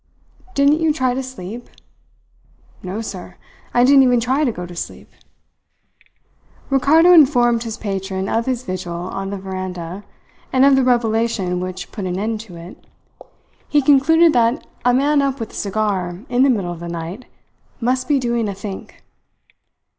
Didn't you try to sleep?" "No, sir. I didn't even try to go to sleep." Ricardo informed his patron of his vigil on the veranda, and of the revelation which put an end to it. He concluded that a man up with a cigar in the middle of the night must be doing a think.